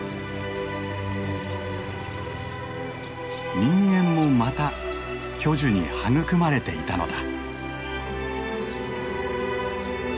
人間もまた巨樹に育まれていたのだ。